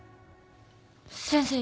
先生。